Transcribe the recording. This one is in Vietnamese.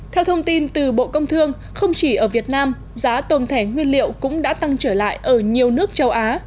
theo thông tin từ bộ công thương không chỉ ở việt nam giá tôm thẻ nguyên liệu cũng đã tăng trở lại ở nhiều nước châu á